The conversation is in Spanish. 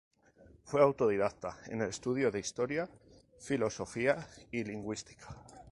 Fue autodidacta en el estudio de historia, filosofía y lingüística.